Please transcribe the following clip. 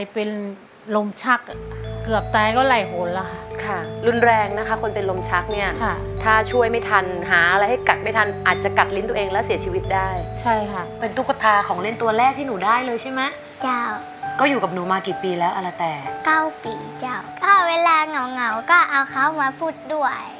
เพราะเวลาเหงาก็เอาเขามาพูดด้วย